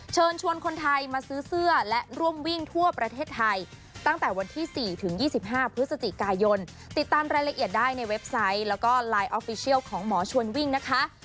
เชิญชวนคนไทยมาซื้อเสื้อและร่วมวิ่งทั่วประเทศไทยตั้งแต่วันที่๔ถึง๒๕พฤศจิกายนติดตามรายละเอียดได้ในเว็บไซต์แล้วก็ไลน์ออฟฟิเชียลของหมอชวนวิ่งนะคะ